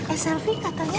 eh selfie katanya